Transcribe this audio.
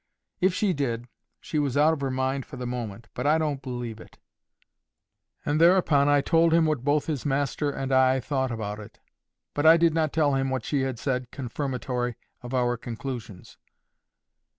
"If she did, she was out of her mind for the moment. But I don't believe it." And thereupon I told him what both his master and I thought about it. But I did not tell him what she had said confirmatory of our conclusions.